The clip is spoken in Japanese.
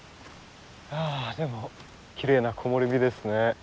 あでもきれいな木漏れ日ですね。